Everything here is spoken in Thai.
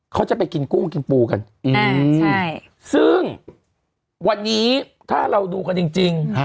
เขาจะไปกินกุ้งกินปูกันซึ่งวันนี้ถ้าเราดูกันจริง